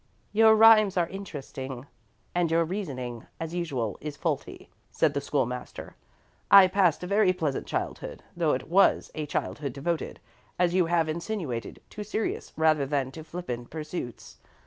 "' "Your rhymes are interesting, and your reasoning, as usual, is faulty," said the School master. "I passed a very pleasant childhood, though it was a childhood devoted, as you have insinuated, to serious rather than to flippant pursuits.